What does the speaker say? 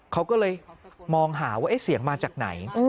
เขาก็เลยมองหาว่าเสียงมาจากไหน